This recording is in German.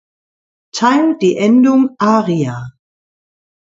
Teil die Endung „aria“.